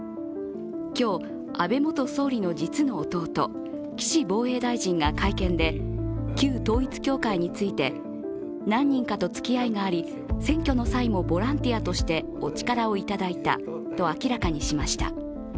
今日、安倍元総理の実の弟岸防衛大臣が会見で旧統一教会について、何人かとつきあいがあり、選挙の際もボランティアとしてお力をいただいたと明らかにしました。